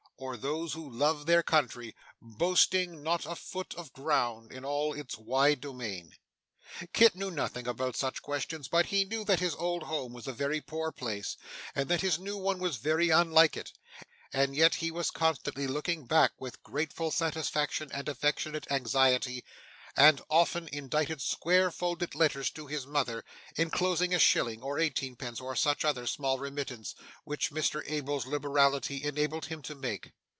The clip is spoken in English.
or those who love their country, boasting not a foot of ground in all its wide domain! Kit knew nothing about such questions, but he knew that his old home was a very poor place, and that his new one was very unlike it, and yet he was constantly looking back with grateful satisfaction and affectionate anxiety, and often indited square folded letters to his mother, enclosing a shilling or eighteenpence or such other small remittance, which Mr Abel's liberality enabled him to make.